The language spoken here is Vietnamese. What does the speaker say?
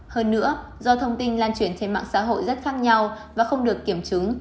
hơn nữa do thông tin lan truyền trên mạng xã hội rất khác nhau và không được kiểm chứng